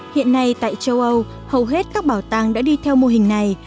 hiện nay tại châu âu hầu hết các bảo tàng đã đi theo mô hình này